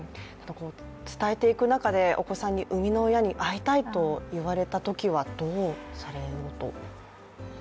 伝えていく中でお子さんに生みの親に会いたいと言われたときはどうされようと？